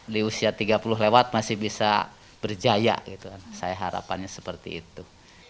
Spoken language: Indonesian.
di usia tiga puluh lewat masih bisa berjaya gitu kan saya harapannya seperti itu